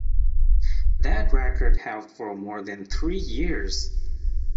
That record held for more than three years.